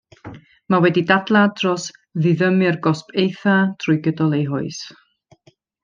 Mae wedi dadlau dros ddiddymu'r gosb eithaf drwy gydol ei hoes.